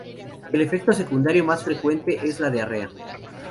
El efecto secundario más frecuente es la diarrea.